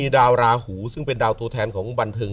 ดาวราหูซึ่งเป็นดาวตัวแทนของบันเทิง